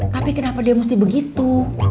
tapi kenapa dia mesti begitu